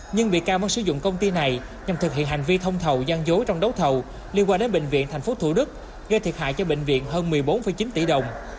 nhưng bị can mất sử dụng công ty này nhằm thực hiện hành vi thông thầu gian dối trong đấu thầu liên quan đến bệnh viện tp thủ đức gây thiệt hại cho bệnh viện hơn một mươi bốn chín tỷ đồng